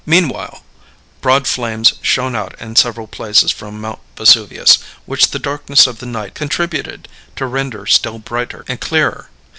Meanwhile broad flames shone out in several places from Mount Vesuvius, which the darkness of the night contributed to render still brighter and clearer.